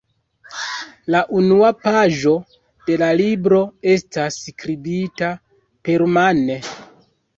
La unua paĝo de la libro estas skribita permane.